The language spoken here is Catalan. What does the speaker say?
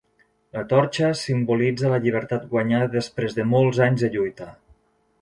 La torxa simbolitza la llibertat guanyada després de molts anys de lluita.